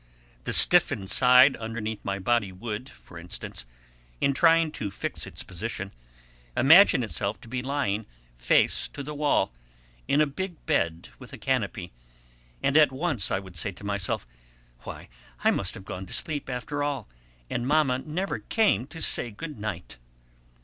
The stiffened side underneath my body would, for instance, in trying to fix its position, imagine itself to be lying, face to the wall, in a big bed with a canopy; and at once I would say to myself, "Why, I must have gone to sleep after all, and Mamma never came to say good night!"